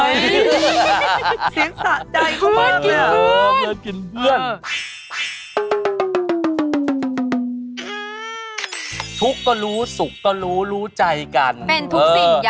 อยู่ใกล้ตัวนี่